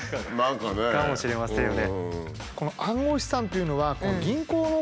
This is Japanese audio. かもしれませんよね。